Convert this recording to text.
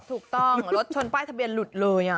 ถูกต้องรถชนป้ายทะเบียนหลุดเลย